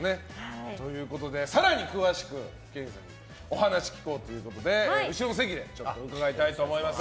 更に詳しくケインさんにお話を聞こうということで後ろの席で伺いたいと思います。